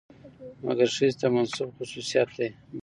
مکر ښځې ته منسوب خصوصيت دى.